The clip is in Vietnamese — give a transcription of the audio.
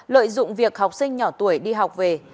lợi dụng việc học sinh nhỏ tuổi đi học về